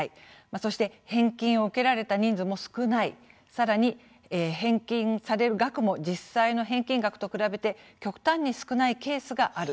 そして返金を受けられた人数も少ない、さらに返金される額も実際の被害額と比べて極端に少ないケースがある